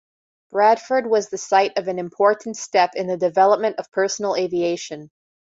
Bradford was the site of an important step in the development of personal aviation.